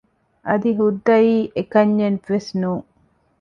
އަދި ހުއްދައީ އެކަންޏެއް ވެސް ނޫން